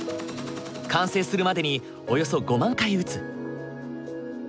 完成するまでにおよそ５万回打つ。